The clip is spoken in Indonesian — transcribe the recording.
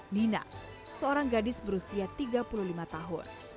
nina seorang gadis berusia tiga puluh lima tahun